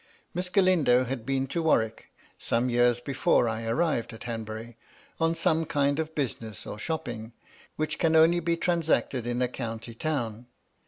Miss Galindo had been to Warwick, some years before I arrived at Hanbury, on some kind of business or shopping, which can only be transacted in a county town.